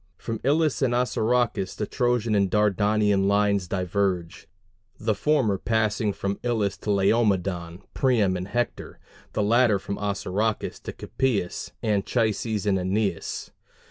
From Ilus and Assaracus the Trojan and Dardanian lines diverge; the former passing from Ilus to Laomedon, Priam, and Hector; the latter from Assaracus to Capys, Anchises, and Æneas.